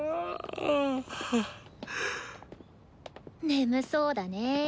眠そうだね。